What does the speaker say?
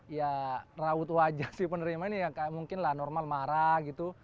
ya rawut wajah si penerima ini mungkin lah normal marah gitu